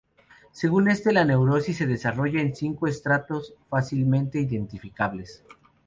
Según este, la neurosis se desarrolla en cinco estratos fácilmente identificables.